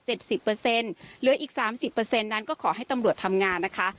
เหลืออีก๓๐นั้นก็ขอให้ตำรวจทำงานนะคะ